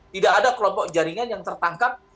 tidak ada kelompok jaringan yang tertangkap